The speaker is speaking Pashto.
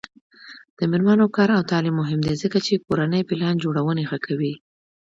د میرمنو کار او تعلیم مهم دی ځکه چې کورنۍ پلان جوړونې ښه کوي.